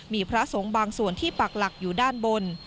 มีพระสงฆ์บางส่วนที่ปักหลักอยู่ด้านบน